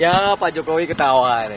ya pak jokowi ketawa